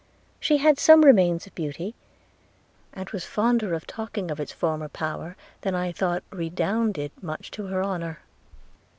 – She had some remains of beauty, and was fonder of talking of its former power than I thought redounded much to her honour.